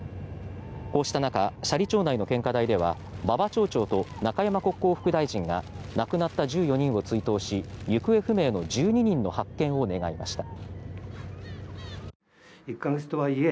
こうした中斜里町内の献花台では馬場町長と中山国交副大臣が亡くなった１４人を追悼し行方不明の１２人の発見を願いました。